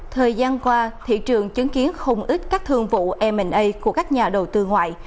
thời gian qua thị trường chứng kiến không ít các thương vụ m a của các nhà đầu tư ngoại